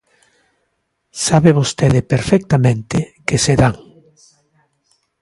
Sabe vostede perfectamente que se dan.